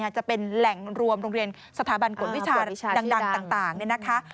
จะเป็นแหล่งรวมโรงเรียนสถาบันกฎวิชาดังต่างนี่นะคะ